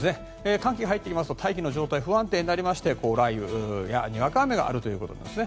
寒気が入ってきますと大気の状態が不安定になりまして雷雨や、にわか雨があるということなんですね。